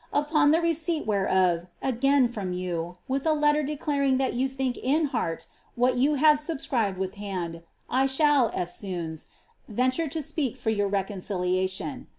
Upon the receipt whereof again from you, with a letter declaring that you think in heart what you have subeoribed with liand, I shall, eftMons, venture to speak for your reconciliation.